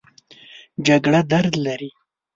جګړه درد لري